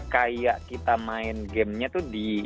kayak kita main gamenya tuh di